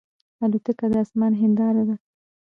الوتکه د آسمان هنداره ده.